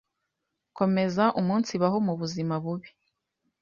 nkomeza umunsibaho mu buzima bubi